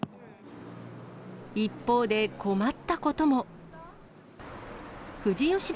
一方で、困ったことも。